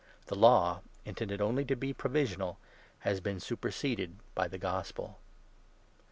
The Law, intended only to be provisional, has been superseded by the Gospel.